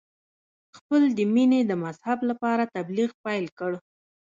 خپل د مینې د مذهب لپاره تبلیغ پیل کړ.